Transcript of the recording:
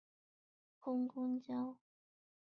通公路。